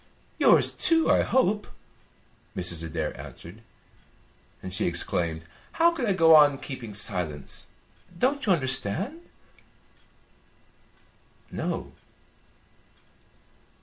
"Yours, too, I hope," Mrs. Adair answered, and she exclaimed: "How could I go on keeping silence? Don't you understand?" "No."